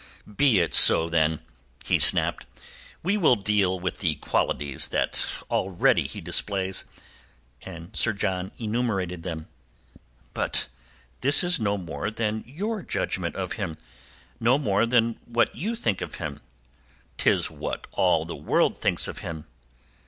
"Be it so, then," he snapped. "We will deal with the qualities that already he displays." And Sir John enumerated them. "But this is no more than your judgment of him—no more than what you think him." "'Tis what all the world thinks him."